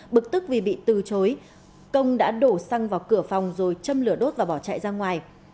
bực tức vì bị từ chối công đã đổ xăng vào cửa phòng rồi châm lửa đốt và bỏ chạy ra ngoài